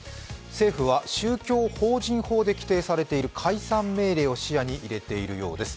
政府は宗教法人法で規定されている解散命令を視野に入れているそうです。